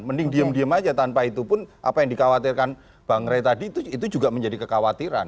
mending diem diem aja tanpa itu pun apa yang dikhawatirkan bang ray tadi itu juga menjadi kekhawatiran